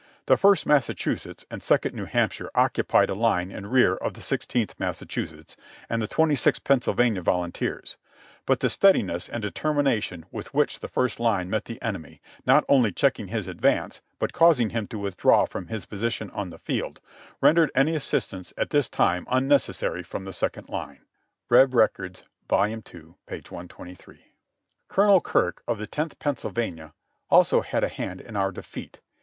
The First Massa chusetts and Second New Hampshire occupied a line in rear of the Sixteenth Massachusetts and the Twenty sixth Pennsylvania Volunteers, but the steadiness and determination Avith which the first line met the enemy, not only checking his advance, but causing him to withdraw from his position on the field, rendered SIGHTS AND SCENES IN PRISON 203 any assistance at this time unnecessary from the second Hne." (Reb. Records, Vol. 11, p. 123.) Colonel Kirk, of the Tenth Pennsylvania, also had a hand in our defeat.